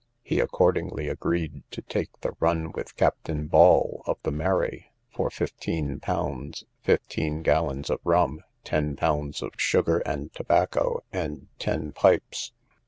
He accordingly agreed to take the run with Captain Ball, of the Mary, for fifteen pounds, fifteen gallons of rum, ten pounds of sugar and tobacco, and ten pipes.